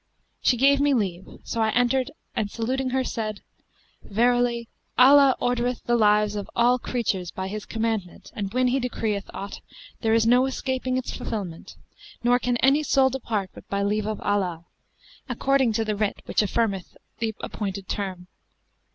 She gave me leave; so I entered and saluting her, said, 'Verily Allah ordereth the lives of all creatures by His commandment and when He decreeth aught, there is no escaping its fulfilment; nor can any soul depart but by leave of Allah, according to the Writ which affirmeth the appointed term.'